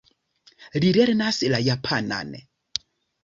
Li lernas la japanan.